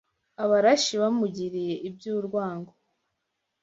Abarashi bamugiriye iby’urwango